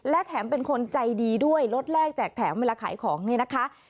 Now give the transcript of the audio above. และแถมเป็นคนใจดีด้วยรถแรกแจกแถมเวลาขายของเนี่ยนะคะ